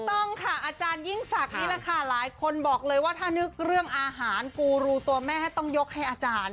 ต้องค่ะอาจารยิ่งศักดิ์นี่แหละค่ะหลายคนบอกเลยว่าถ้านึกเรื่องอาหารกูรูตัวแม่ให้ต้องยกให้อาจารย์